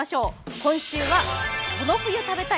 今週は「この冬食べたい！